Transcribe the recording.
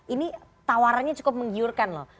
ini tawarannya cukup menggiurkan loh